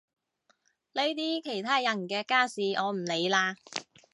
呢啲其他人嘅家事我唔理啦